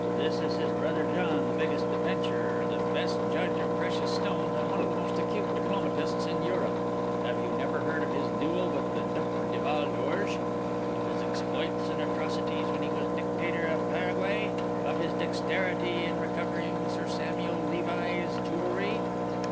"This is his brother John, the biggest adventurer, the best judge of precious stones, and one of the most acute diplomatists in Europe. Have you never heard of his duel with the Duc de Val d'Orge? of his exploits and atrocities when he was Dictator of Paraguay? of his dexterity in recovering Sir Samuel Levi's jewellery?